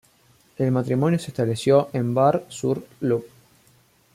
El matrimonio se estableció en Bar-sur-Loup.